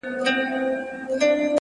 هره تېروتنه د پرمختګ امکان لري!